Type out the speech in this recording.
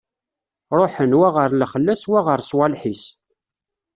Ṛuḥen, wa ɣer lexla-s, wa ɣer swaleḥ-is.